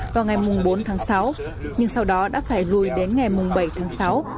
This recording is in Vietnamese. vào ngày bốn tháng sáu nhưng sau đó đã phải lùi đến ngày bảy tháng sáu